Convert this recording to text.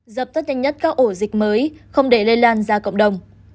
dập tắt nhanh nhất các ổ dịch mới không để lây lan ra cộng đồng